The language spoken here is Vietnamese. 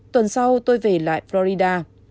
tuần sau tôi về lại florida